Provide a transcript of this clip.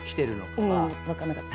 分かんなかった。